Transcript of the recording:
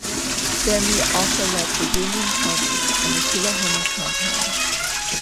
Stanley also led the Union cavalry in the Tullahoma Campaign.